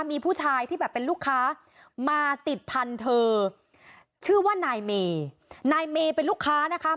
มีผู้ชายที่แบบเป็นลูกค้ามาติดพันธุ์เธอชื่อว่านายเมนายเมเป็นลูกค้านะคะ